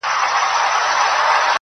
دا ملنګ سړی چي نن خویونه د باچا کوي,